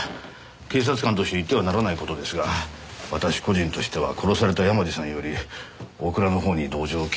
警察官として言ってはならない事ですが私個人としては殺された山路さんより大倉の方に同情を禁じ得ません。